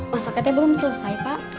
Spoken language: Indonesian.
masaknya belum selesai pak